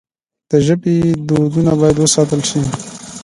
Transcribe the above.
د ژبې دودونه باید وساتل سي.